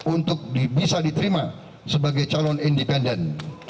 untuk bisa diterima sebagai calon independen